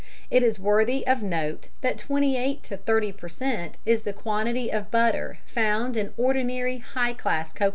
It is worthy of note that 28 to 30 per cent. is the quantity of butter found in ordinary high class cocoas.